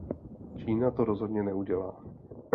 Čína to rozhodně neudělá.